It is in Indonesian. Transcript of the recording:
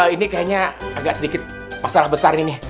ini kayaknya agak sedikit masalah besar ini